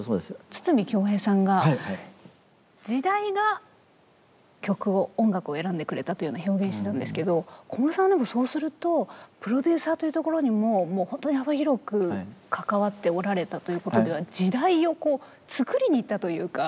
筒美京平さんが「時代が曲を音楽を選んでくれた」というような表現してたんですけど小室さんはでもそうするとプロデューサーというところにももうほんとに幅広く関わっておられたということでは時代をこうつくりにいったというか。